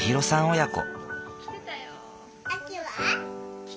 親子。